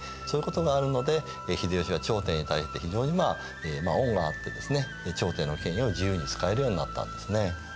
そういうことがあるので秀吉は朝廷に対して非常にまあ恩があってですね朝廷の権威を自由に使えるようになったんですね。